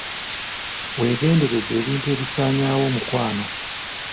Weegendereze ebintu ebisanyaawo omukwano.